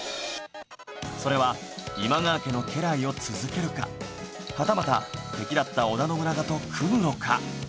それは今川家の家来を続けるかはたまた敵だった織田信長と組むのか